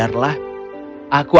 aku akan senang jika kau berbohong